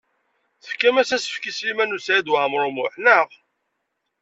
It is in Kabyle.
Tefkam-as asefk i Sliman U Saɛid Waɛmaṛ U Muḥ, naɣ?